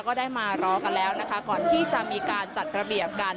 ก็ได้มารอกันแล้วนะคะก่อนที่จะมีการจัดระเบียบกัน